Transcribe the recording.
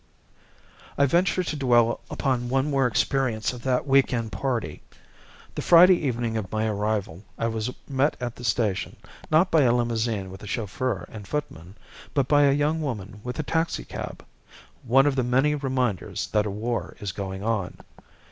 I venture to dwell upon one more experience of that week end party. The Friday evening of my arrival I was met at the station, not by a limousine with a chauffeur and footman, but by a young woman with a taxicab one of the many reminders that a war is going on.